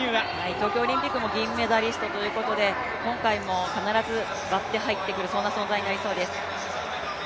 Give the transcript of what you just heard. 東京オリンピックの銀メダリストということで今回も必ず割って入ってくる、そんな存在になると思います。